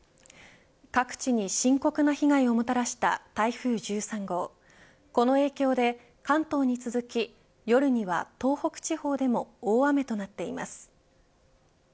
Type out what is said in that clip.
各地に深刻な被害をもたらした台風１３号、この影響で関東に続き、夜には東北地方でも大雨となっています。